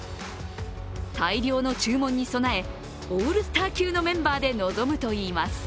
大量の注文に備えオールスター級のメンバーで臨むといいます。